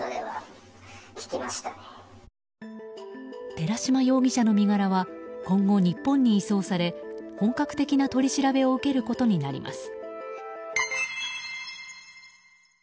寺島容疑者の身柄は今後、日本に移送され本格的な取り調べを受けることになります。